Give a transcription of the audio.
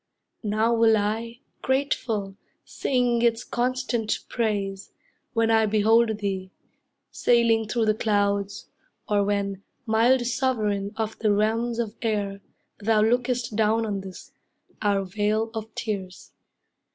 Now will I, grateful, sing its constant praise, When I behold thee, sailing through the clouds, Or when, mild sovereign of the realms of air, Thou lookest down on this, our vale of tears.